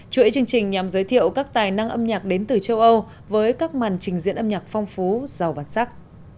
chuỗi chương trình nhằm giới thiệu các tài năng âm nhạc đến từ châu âu với các màn trình diễn âm nhạc phong phú giàu bản sắc